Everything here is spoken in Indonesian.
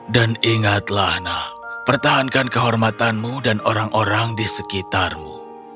dan ingatlah nak pertahankan kehormatanmu dan orang orang di sekitarmu